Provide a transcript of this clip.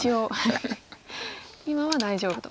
今は大丈夫と。